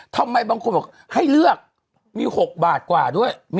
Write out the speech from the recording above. ทำไมบางคนบอกให้เลือกมี๖บาทกว่าด้วย